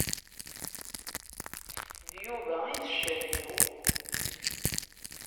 D Yuba i d ccaf-iw.